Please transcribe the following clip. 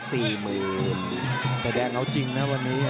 แต่แดงเอาจริงนะวันนี้